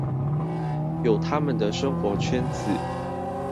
有他們的生活圈子